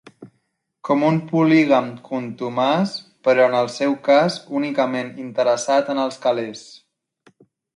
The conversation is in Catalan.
Com un polígam contumaç, però en el seu cas únicament interessat en els calés.